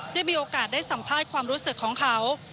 ได้มีโอกาสได้สัมภาษณ์ความรู้สึกของเขา